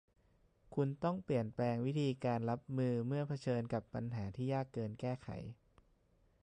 คุณต้องเปลี่ยนแปลงวิธีการรับมือเมื่อเผชิญกับปัญหาที่ยากเกินแก้ไข